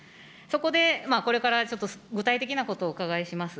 そこで、これからちょっと、具体的なことをお伺いします。